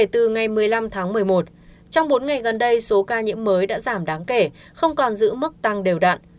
trong bốn ngày gần đây số ca nhiễm mới đã giảm đáng kể không còn giữ mức tăng đều đạn